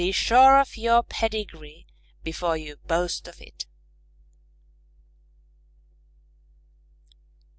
_Be sure of your pedigree before you boast of it.